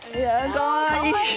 かわいい。